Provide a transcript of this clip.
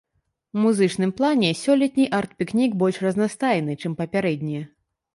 У музычным плане сёлетні арт-пікнік больш разнастайны, чым папярэднія.